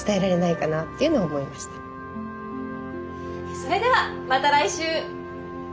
それではまた来週！